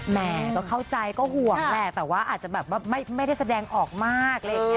แล้วเข้าใจก็ห่วงแหละแต่ว่าอาจจะแบบไม่ได้แสดงออกมาก